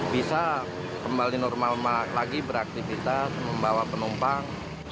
bisa kembali normal lagi beraktivitas membawa penumpang